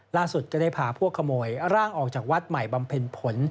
ก็ได้พาพวกขโมยร่างออกจากวัดใหม่บำเพ็ญผล